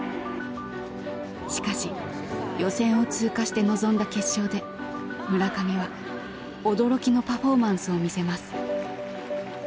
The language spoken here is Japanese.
しかし予選を通過して臨んだ決勝で村上は驚きのパフォーマンスを見せます。